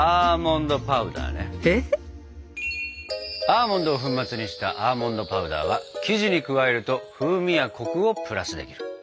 アーモンドを粉末にしたアーモンドパウダーは生地に加えると風味やコクをプラスできる。